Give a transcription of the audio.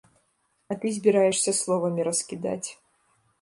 А ты збіраешся словамі раскідаць.